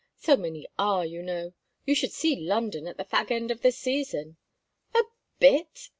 So many are, you know. You should see London at the fag end of the season." "A bit!"